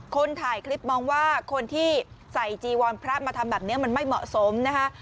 คนถ่ายคลิปมองว่าคนที่ใส่จีวรพระมาทำแบบนี้มันไม่เหมาะสมนะคะ